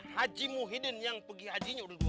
haji muhyiddin yang pergi hajinya udah dua kali